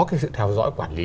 cái sự theo dõi quản lý